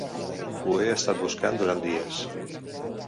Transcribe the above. Ho he estat buscant durant dies.